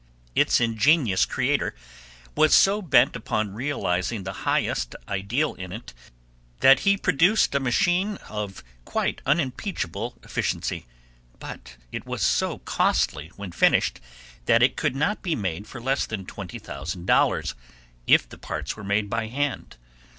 Its ingenious creator was so bent upon realizing the highest ideal in it that he produced a machine of quite unimpeachable efficiency. But it was so costly, when finished, that it could not be made for less than twenty thousand dollars, if the parts were made by hand.